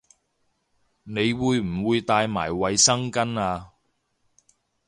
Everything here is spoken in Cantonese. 你會唔會帶埋衛生巾吖